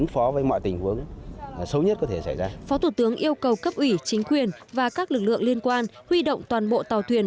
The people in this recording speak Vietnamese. phó thủ tướng yêu cầu cấp ủy chính quyền và các lực lượng liên quan huy động toàn bộ tàu thuyền